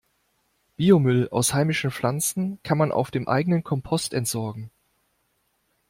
Biomüll aus heimischen Pflanzen kann man auf dem eigenen Kompost entsorgen.